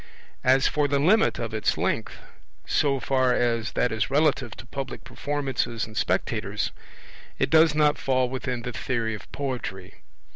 As for the limit of its length, so far as that is relative to public performances and spectators, it does not fall within the theory of poetry.